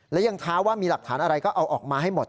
และยังท้าว่ามีหลักฐานอะไรก็เอาออกมาให้หมด